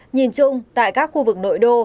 nhìn chung tại các khu vực nội đô